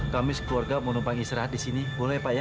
kamis keluarga mau numpang istirahat di sini boleh pak ya